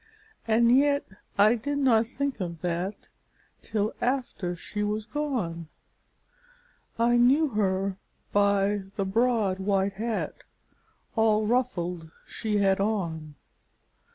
And yet I did not think of that Till after she was gone I knew her by the broad white hat, All ruffled, she had on.